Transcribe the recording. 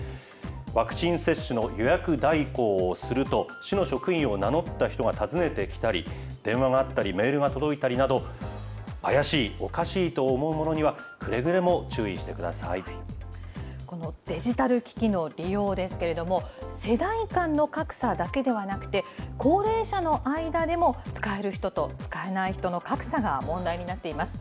ワクチン接種の予約代行をすると、市の職員を名乗った人が訪ねてきたり、電話があったり、メールが届いたりなど、怪しい、おかしいと思うものには、くれぐれも注意このデジタル機器の利用ですけれども、世代間の格差だけではなくて、高齢者の間でも、使える人と使えない人の格差が問題になっています。